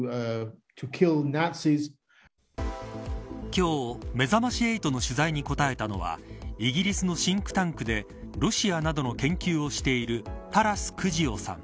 今日めざまし８の取材に答えたのはイギリスのシンクタンクでロシアなどの研究をしているタラス・クジオさん。